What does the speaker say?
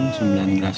itu yang saya ofisikan